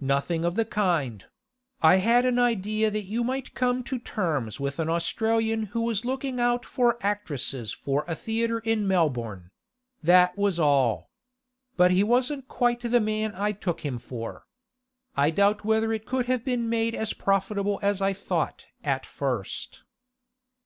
Nothing of the kind; I had an idea that you might come to terms with an Australian who was looking out for actresses for a theatre in Melbourne—that was all. But he wasn't quite the man I took him for. I doubt whether it could have been made as profitable as I thought at first.